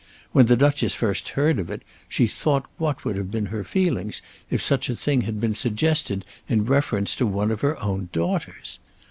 When the Duchess first heard it she thought what would have been her feelings if such a thing had been suggested in reference to one of her own daughters!